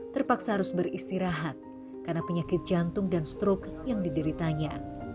terpaksa harus beristirahat karena penyakit jantung dan stroke yang dideritanya